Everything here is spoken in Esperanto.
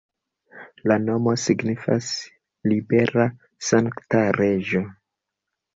La nomo signifas libera-sankta-reĝo.